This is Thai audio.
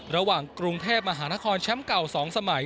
ระหว่างกรุงเทพมหานครแชมป์เก่า๒สมัย